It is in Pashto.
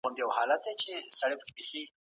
ایا واړه پلورونکي وچه میوه اخلي؟